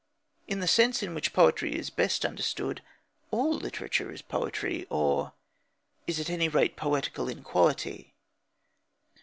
In the sense in which poetry is best understood, all literature is poetry or is, at any rate, poetical in quality.